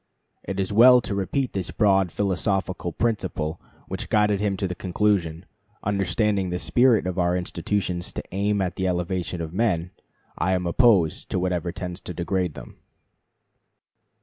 It is well to repeat the broad philosophical principle which guided him to this conclusion: "Understanding the spirit of our institutions to aim at the elevation of men, I am opposed to whatever tends to degrade them."